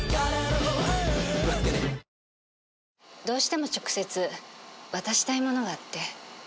どうしても直接渡したいものがあって。